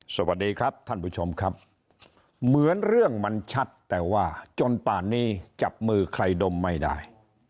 สวัสดีครับท่านผู้ชมครับเหมือนเรื่องมันชัดแต่ว่าจนป่านนี้จับมือใครดมไม่ได้